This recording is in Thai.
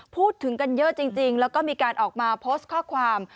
พูดถึงกันเยอะจริงแล้วก็มีการออกมาโพสต์ข้อความ